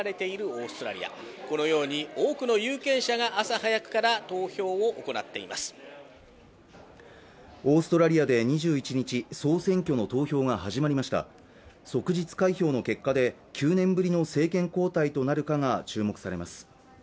オーストラリアで２１日総選挙の投票が始まりました即日開票の結果で９年ぶりの政権交代となるかが注目されます